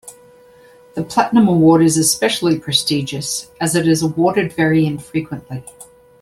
The platinum award is especially prestigious as it is awarded very infrequently.